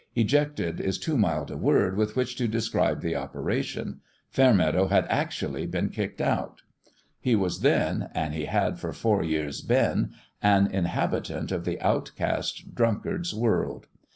Ejected is too mild a word with which to describe the operation : Fairmeadow had actually been kicked out. He was then and he had for four years been an inhabitant of the outcast drunkard's world.